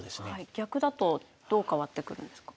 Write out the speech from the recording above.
逆だとどう変わってくるんですか？